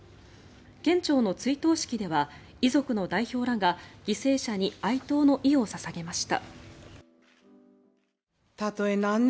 県庁の追悼式では遺族の代表らが犠牲者に哀悼の意を捧げました。